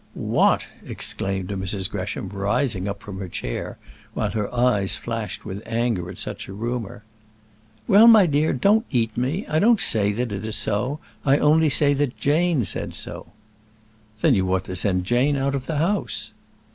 "What!" exclaimed Mrs. Gresham, rising up from her chair while her eyes flashed with anger at such a rumour. "Well, my dear, don't eat me. I don't say it is so; I only say that Jane said so." "Then you ought to send Jane out of the house."